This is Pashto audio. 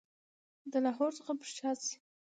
د لاهور څخه پر شا شي.